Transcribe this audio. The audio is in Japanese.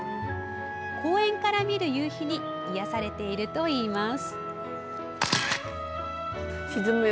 公園から見る夕日に癒やされているといいます。